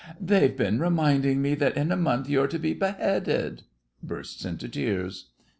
They've been reminding me that in a month you're to be beheaded! (Bursts into tears.)